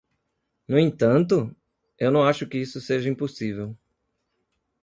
No entanto? eu não acho que seja impossível.